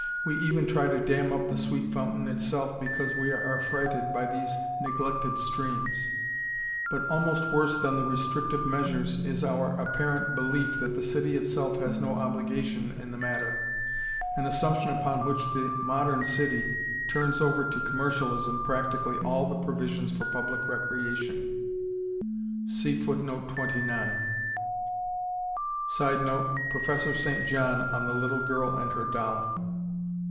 We even try to dam up the sweet fountain itself because we are affrighted by these neglected streams; but almost worse than the restrictive measures is our apparent belief that the city itself has no obligation in the matter, an assumption upon which the modern city turns over to commercialism practically all the provisions for public recreation. [Sidenote: Professor St. John on the little girl and her doll.